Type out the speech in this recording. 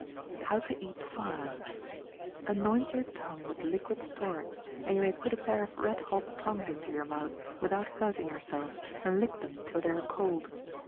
How to Eat Fire.—Anoint your tongue with liquid storax, and you may put a pair of red hot tongs into your mouth, without hurting yourself, and lick them till they are cold.